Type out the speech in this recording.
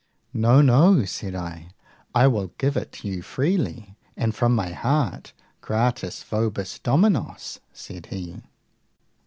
No, no, said I; I will give it you freely, and from my heart. Grates vobis dominos, said he.